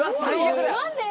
何で？